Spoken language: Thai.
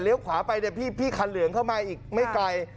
เลี้ยวขวาไปพี่คันเหลืองเข้ามาอีกไม่ไกล